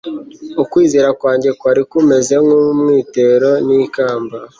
ukwizera kwanjye kwari kumeze nk umwitero n ikamba